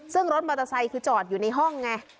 ซึ่งรถมอเตอร์ไซค์คือจอดอยู่ในห้องไง